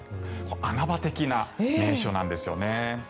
穴場的な名所なんですよね。